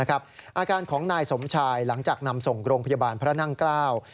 อาการของนายสมชายหลังจากนำส่งโรงพยาบาลพระนั่งเกล้า